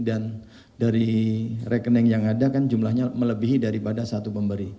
dan dari rekening yang ada kan jumlahnya melebihi dari berapa